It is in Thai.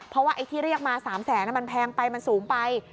เพราะว่าไอ้ที่เรียกมา๓แสนมันแพงไปมันสูงไป